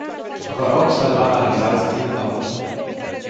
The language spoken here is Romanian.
Vă rog să-l analizați din nou.